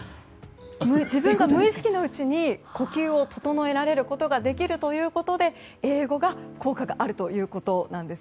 自分が無意識のうちに呼吸を整えられることができるということで英語が効果があるということなんです。